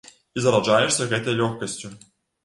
І зараджаешся гэтай лёгкасцю.